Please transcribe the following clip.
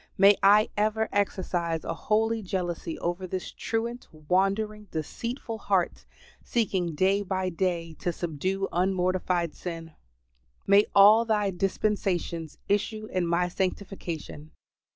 May I ever exercise a holy jealousy over this truant, wandering, deceitful heart; seeking day by day to subdue unmortified sin. May all Thy dispensations issue in my sanctification.